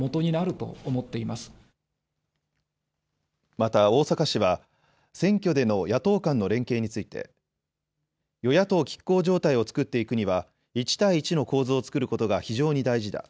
また逢坂氏は、選挙での野党間の連携について与野党きっ抗状態を作っていくには１対１の構図を作ることが非常に大事だ。